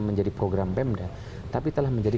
menjadi program pemda tapi telah menjadi